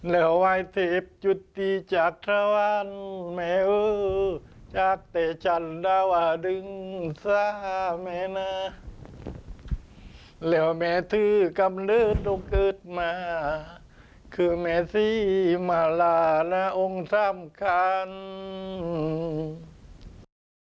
แล้วแม่ถือกรรมเลือดต้องเกิดมาคือแม่ที่มหลานะองค์สามคัณภ์